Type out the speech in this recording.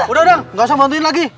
udah udah gak usah bantuin lagi